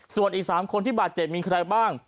ส่วนอีก๓คนที่บาดเจ็บมีใครบ้าง